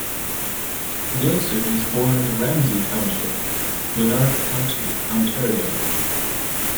Neilson was born in the Ramsay township, Lanark County, Ontario.